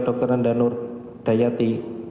dr nanda nur dayati